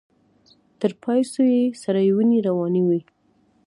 تر پايڅو يې سرې وينې روانې وې.